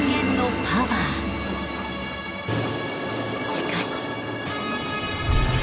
しかし。